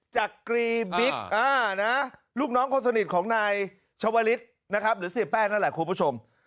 จักรีบิ๊กลูกน้องคนสนิทของนายชาวลิศนะครับหรือเสียแป้งนั่นแหละคุณผู้ชม